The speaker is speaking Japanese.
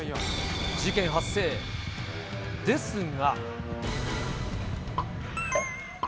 事件発生ですが。